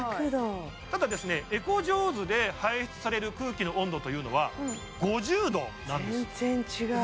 ただエコジョーズで排出される空気の温度というのは５０度なんです全然違う！